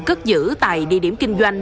cất giữ tại địa điểm kinh doanh